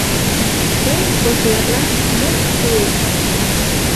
Шем кожлатлан мо шуэш?